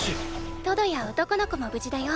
トドや男の子も無事だよ。